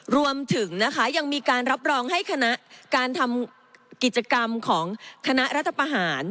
รวมถึงนะคะยังมีการรับรองให้คณะการทำกิจกรรมของคณะรัฐประหาร